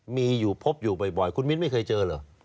มีอยู่พบอยู่บ่อยคุณมิ้นไม่เคยเจอเหรอ